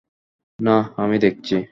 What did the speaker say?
না, আমি দেখছি।